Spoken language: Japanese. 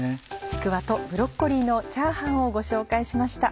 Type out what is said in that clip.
「ちくわとブロッコリーのチャーハン」をご紹介しました。